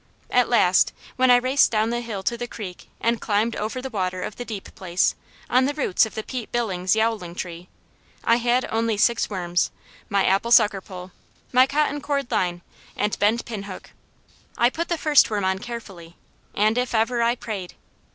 At last, when I raced down the hill to the creek and climbed over the water of the deep place, on the roots of the Pete Billings yowling tree, I had only six worms, my apple sucker pole, my cotton cord line, and bent pin hook. I put the first worm on carefully, and if ever I prayed!